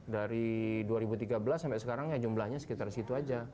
dari dua ribu tiga belas sampai sekarang ya jumlahnya sekitar situ saja